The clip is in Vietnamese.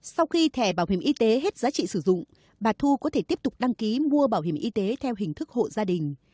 sau khi thẻ bảo hiểm y tế hết giá trị sử dụng bà thu có thể tiếp tục đăng ký mua bảo hiểm y tế theo hình thức hộ gia đình